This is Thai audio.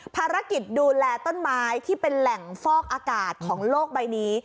ภารกิจดูแลต้นไม้ที่เป็นแหล่งฟอกอากาศของโลกใบนี้